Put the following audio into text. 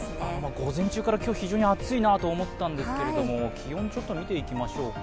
午前中から今日、非常に暑いなと思ったんですけど気温を見ていきましょうか。